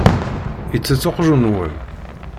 Itett uqjun-nwen?